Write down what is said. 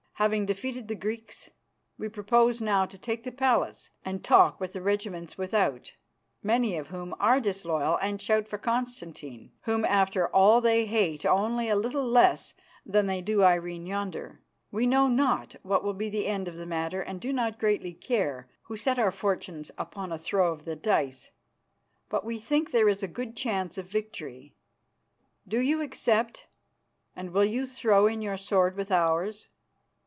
Having defeated the Greeks, we propose now to take the palace and to talk with the regiments without, many of whom are disloyal and shout for Constantine, whom after all they hate only a little less than they do Irene yonder. We know not what will be the end of the matter and do not greatly care, who set our fortunes upon a throw of the dice, but we think there is a good chance of victory. Do you accept, and will you throw in your sword with ours?"